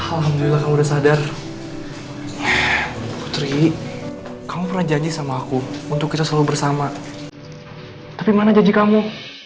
alhamdulillah kamu udah sadar putri kamu pernah janji sama aku untuk kita selalu bersama tapi mana janji kamu